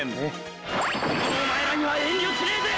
お前らには遠慮しねえぜ！